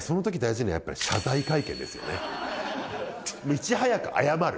いち早く謝る。